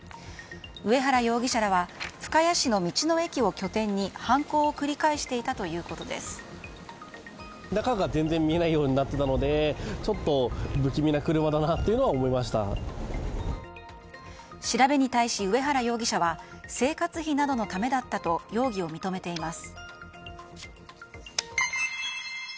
上原容疑者らは深谷市の道の駅を拠点に犯行を調べに対し、上原容疑者は生活費などのためだったと容疑を認めています。